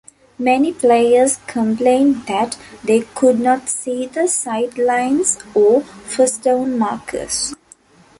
Many players complained that they could not see the sidelines or first-down markers.